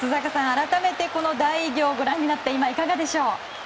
改めて、この大偉業をご覧になって今、いかがでしょう？